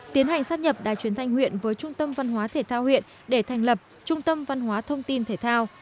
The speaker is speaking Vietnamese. tiến hành sắp nhập đài truyền thanh huyện với trung tâm văn hóa thể thao huyện để thành lập trung tâm văn hóa thông tin thể thao